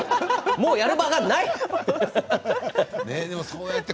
もうやる場がないって。